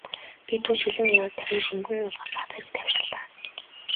Би түүнд шилэн аягаар дахин шингэн уулгахад бага зэрэг тайвширлаа.